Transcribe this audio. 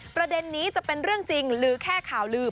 ประเด็นนี้จะเป็นเรื่องจริงหรือแค่ข่าวลืม